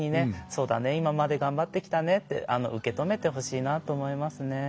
そうだね今まで頑張ってきたねって受け止めてほしいなと思いますね。